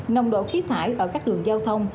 nồng độ khí thải ở các đường giao thông